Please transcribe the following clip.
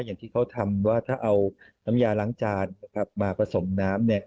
อย่างที่เขาทำว่าถ้าเอาน้ำยาล้างจานมาผสมน้ำ